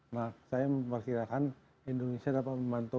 nah saya memperkirakan indonesia dapat memantau